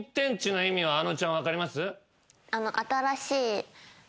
あのちゃん分かります？